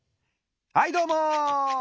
はいどうも！